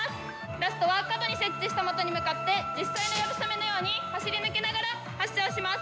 ラストは角に設置した的に向かって実際の流鏑馬のように走り抜けながら発射をします。